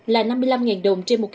là năm mươi năm đồng trên một kg